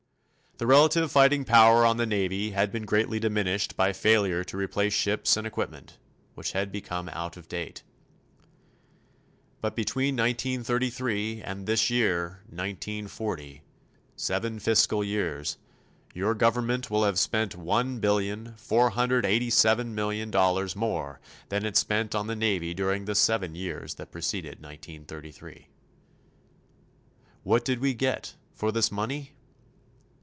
The relative fighting power on the Navy had been greatly diminished by failure to replace ships and equipment, which had become out of date. But between 1933 and this year, 1940 seven fiscal years your government will have spent one billion, four hundred eighty seven million dollars more than it spent on the Navy during the seven years that preceded 1933. What did we get for this money?